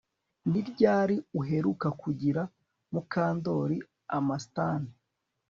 Ni ryari uheruka kurira Mukandoli Amastan